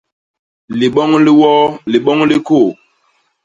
Liboñ li woo, liboñ li kôô.